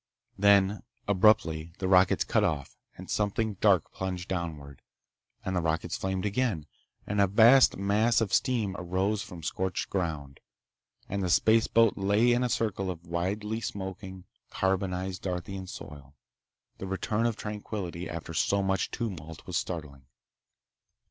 Then, abruptly, the rockets cut off, and something dark plunged downward, and the rockets flamed again, and a vast mass of steam arose from scorched ground—and the spaceboat lay in a circle of wildly smoking, carbonized Darthian soil. The return of tranquility after so much of tumult was startling.